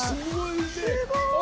すごいね！